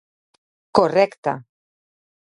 Correcta.